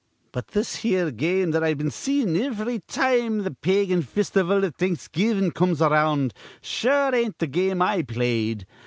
"But this here game that I've been seein' ivry time th' pagan fistival iv Thanksgivin' comes ar round, sure it ain't th' game I played.